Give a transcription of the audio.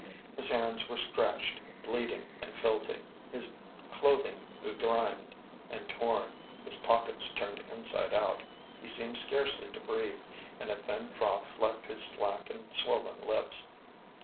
His hands were scratched, bleeding, and filthy, his clothing begrimed and torn, his pockets turned inside out. He seemed scarcely to breathe, and a thin froth flecked his slack and swollen lips.